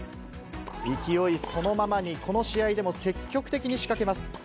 勢いそのままにこの試合でも積極的に仕掛けます。